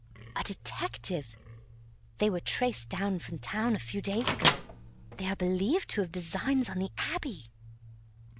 "A detective. They were traced down from town a few days ago. They are believed to have designs on the Abbey!"